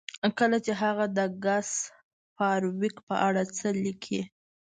کله چې هغه د ګس فارویک په اړه څه لیکي